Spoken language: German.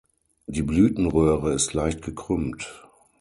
Die Blütenröhre ist leicht gekrümmt.